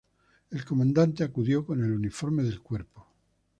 El Comandante acudió con el uniforme del cuerpo.